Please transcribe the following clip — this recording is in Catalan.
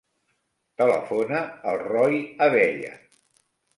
Telefona al Roi Abella.